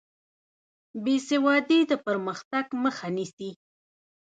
بېسوادي د پرمختګ مخه نیسي.